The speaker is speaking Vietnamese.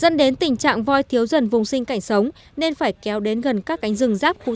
dân đến tình trạng voi thiếu dần vùng sinh cảnh sống nên phải kéo đến gần các cánh rừng rác khu dân cư